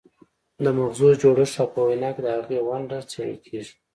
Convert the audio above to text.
د مغزو جوړښت او په وینا کې د هغې ونډه څیړل کیږي